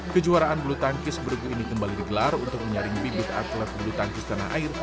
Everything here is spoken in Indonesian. kejuaraan bulu tangkis bergu ini kembali digelar untuk menyaring bibit atlet bulu tangkis tanah air